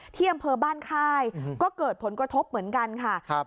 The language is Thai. ที่อำเภอบ้านค่ายก็เกิดผลกระทบเหมือนกันค่ะครับ